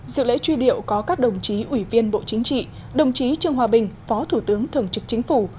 dự lễ truy điệu có các đồng chí ủy viên bộ chính trị đồng chí trương hòa bình phó thủ tướng thường trực chính phủ